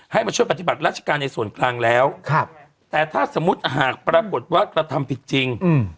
มาช่วยปฏิบัติราชการในส่วนกลางแล้วครับแต่ถ้าสมมุติหากปรากฏว่ากระทำผิดจริง